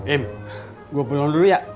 ehm gue pulang dulu ya